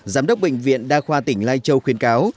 giám đốc bệnh viện đa khoa tỉnh lai châu khuyến cáo